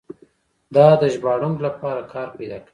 دا د ژباړونکو لپاره کار پیدا کوي.